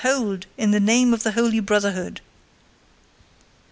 Hold! in the name of the Holy Brotherhood!"